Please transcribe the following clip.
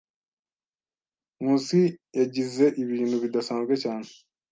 Nkusi yagize ibintu bidasanzwe cyane.